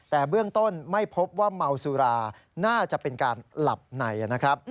แต่เบื้องต้นไม่พบว่าเมาสุราน่าจะเป็นการหลับในนะครับ